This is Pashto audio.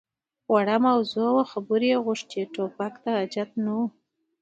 _وړه موضوع وه، خبرې يې غوښتې. ټوپک ته حاجت نه و.